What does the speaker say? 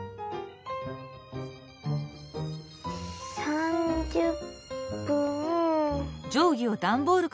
３０分。